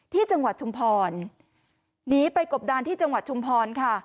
จังหวัดชุมพรหนีไปกบดานที่จังหวัดชุมพรค่ะ